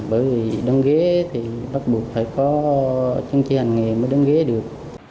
bởi vì đứng ghế thì bắt buộc phải có chứng chỉ hành nghề mới đứng ghế được